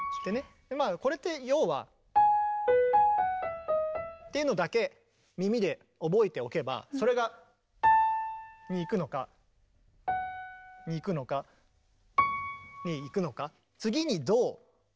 まあこれって要は。っていうのだけ耳で覚えておけばそれが。にいくのかにいくのかにいくのか。